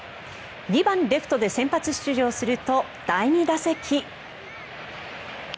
２番レフトで先発出場すると第２打席。